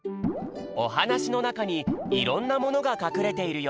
おはなしのなかにいろんなものがかくれているよ。